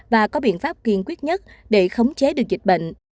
và có biện pháp kiên quyết nhất để khống chế được dịch bệnh